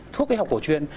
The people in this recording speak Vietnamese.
thuốc y học cổ truyền